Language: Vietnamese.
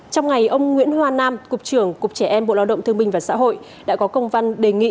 trong ngày ông nguyễn hoa nam cục trưởng cục trẻ em bộ lao động thương binh và xã hội đã có công văn đề nghị